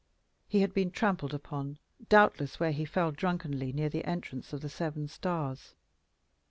He had been trampled upon, doubtless, where he fell drunkenly, near the entrance of the Seven Stars.